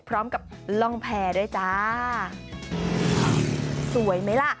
พร้อมกับล่องแพรด้วยจ้าสวยไหมล่ะ